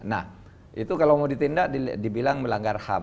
nah itu kalau mau ditindak dibilang melanggar ham